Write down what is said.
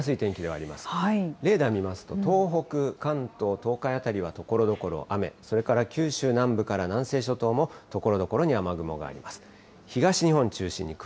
梅雨らしい天気、変わりやすい天気ではありますが、レーダー見ますと、東北、関東、東海辺りはところどころ雨、それから九州南部から南西諸島も、ところどころに雨雲があります。